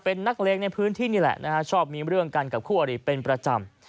เป็นนักเลงในพื้นที่นี่แหละนะฮะชอบมีเรื่องกันกับคู่อดีตเป็นประจำ